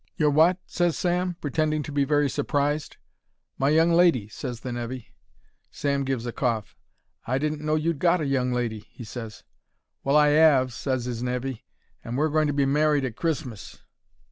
"Your wot?" ses Sam, pretending to be very surprised. "My young lady," ses the nevy. Sam gives a cough. "I didn't know you'd got a young lady," he ses. "Well, I 'ave," ses his nevy, "and we're going to be married at Christmas."